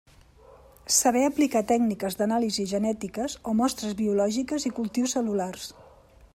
Saber aplicar tècniques d'anàlisis genètiques o mostres biològiques i cultius cel·lulars.